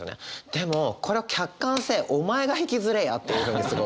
でもこれは客観性「おまえが引き摺れや！」っていうふうにすごい思って。